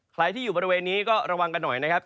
ใครที่อยู่บริเวณนี้ก็ระวังกันหน่อยนะครับ